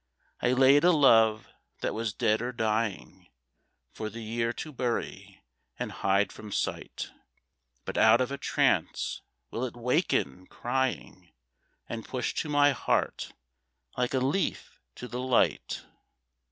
I laid a love that was dead or dying, For the year to bury and hide from sight; But out of a trance will it waken, crying, And push to my heart, like a leaf to the light?